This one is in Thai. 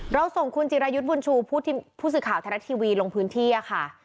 เราส่งคุณจิรายุทธ์บุญชูผู้สื่อข่าวไทยรัฐทีวีลงพื้นที่ค่ะ